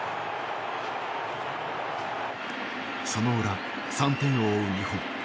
その裏３点を追う日本。